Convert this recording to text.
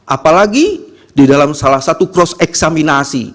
apalagi di dalam salah satu cross eksaminasi